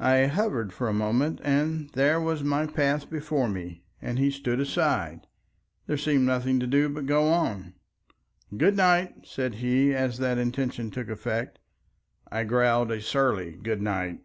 I hovered for a moment and there was my path before me, and he stood aside. There seemed nothing to do but go on. "Good night," said he, as that intention took effect. I growled a surly good night.